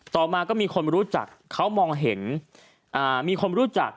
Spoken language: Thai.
ต่อมาก็มีคนรู้จักเขามองเห็นมีคนรู้จัก